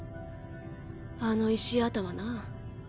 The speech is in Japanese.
あの石頭な。